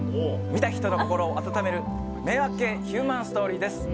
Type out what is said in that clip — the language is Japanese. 見た人の心を温める迷惑系ヒューマンストーリーです